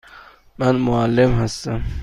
من معلم هستم.